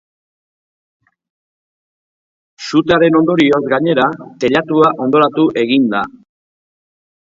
Suteraren ondorioz, gainera, teilatua hondoratu egin da.